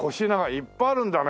いっぱいあるんだね。